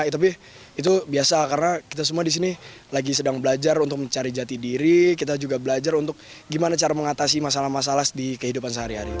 tapi itu biasa karena kita semua disini lagi sedang belajar untuk mencari jati diri kita juga belajar untuk gimana cara mengatasi masalah masalah di kehidupan sehari hari